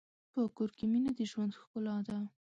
په کور کې مینه د ژوند ښکلا ده.